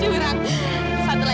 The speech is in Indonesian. ini kurang juga